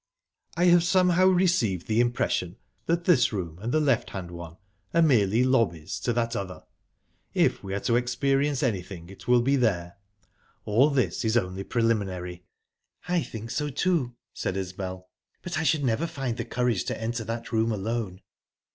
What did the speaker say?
"I have somehow received the impression that this room and the left hand one are merely lobbies to that other. If we are to experience anything, it will be there. All this is only preliminary." "I think so, too," said Isbel. "But I should never find the courage to enter that room alone."